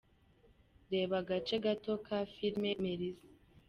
Reba agace gato ka filimi Melissa:.